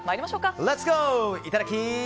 いただき！